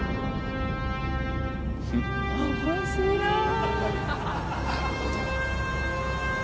面白い。